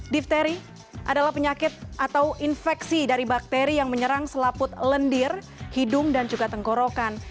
difteri adalah penyakit atau infeksi dari bakteri yang menyerang selaput lendir hidung dan juga tenggorokan